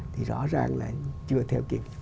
thì rõ ràng là chưa theo kịp